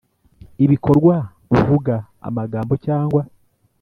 Ibikorwa uvuga amagambo cyangwa